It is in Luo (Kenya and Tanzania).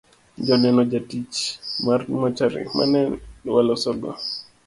Joneno jatich mar mochari mane walosogo